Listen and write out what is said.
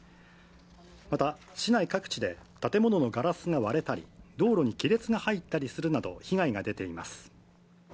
また、市内各地で建物のガラスが割れたり、道路に亀裂が入ったりするなど、被害が出ています。